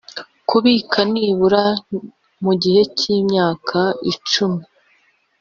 kubika nibura mu gihe cy’ imyaka icumi.